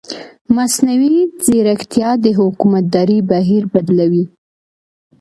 مصنوعي ځیرکتیا د حکومتدارۍ بهیر بدلوي.